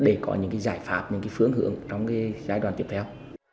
để có những cái giải pháp những cái phương hưởng trong cái giai đoàn tiếp theo